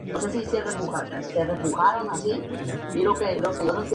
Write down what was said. Primeramente, el documento fue dirigido al público general.